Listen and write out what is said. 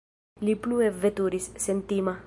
Li plue veturis, sentima.